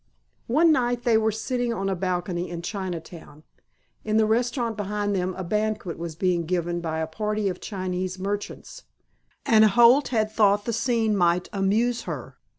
One night they were sitting on a balcony in Chinatown. In the restaurant behind them a banquet was being given by a party of Chinese merchants, and Holt had thought the scene might amuse her.